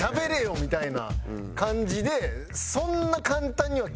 みたいな感じでそんな。